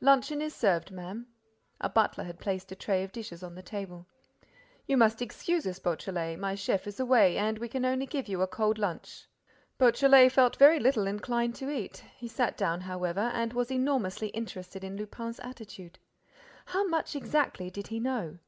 "Luncheon is served, ma'am." A butler had placed a tray of dishes on the table. "You must excuse us, Beautrelet: my chef is away and we can only give you a cold lunch." Beautrelet felt very little inclined to eat. He sat down, however, and was enormously interested in Lupin's attitude. How much exactly did he know?